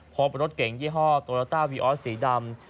พบรถเก่งยี่ห้อโตโยต้าวีออสสีดำ